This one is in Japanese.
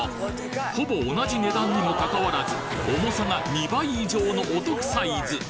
ほぼ同じ値段にもかかわらず重さが２倍以上のお得サイズ！